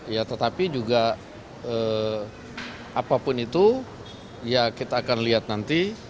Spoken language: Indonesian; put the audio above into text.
ya tetapi juga apapun itu ya kita akan lihat nanti